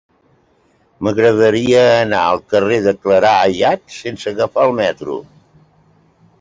M'agradaria anar al carrer de Clarà Ayats sense agafar el metro.